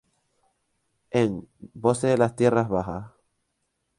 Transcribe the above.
En: "Voces de las tierras bajas".